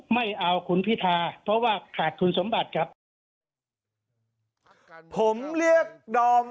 ไม่เอาคุณพิธาเพราะว่าขาดคุณสมบัติครับผมเรียกดอม